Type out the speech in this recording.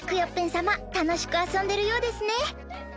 さまたのしくあそんでるようですね。